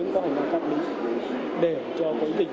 cái tốc độ ổn định